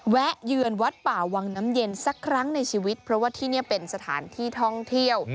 เยือนวัดป่าวังน้ำเย็นสักครั้งในชีวิตเพราะว่าที่นี่เป็นสถานที่ท่องเที่ยว